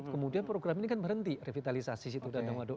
kemudian program ini kan berhenti revitalisasi situ danau waduk